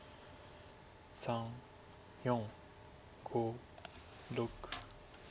３４５６。